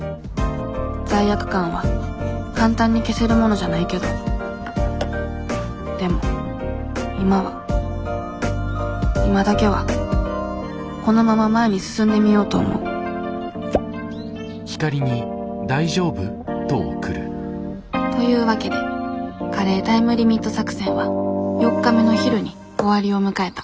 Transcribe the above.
罪悪感は簡単に消せるものじゃないけどでも今は今だけはこのまま前に進んでみようと思うというわけでカレータイムリミット作戦は４日目の昼に終わりを迎えた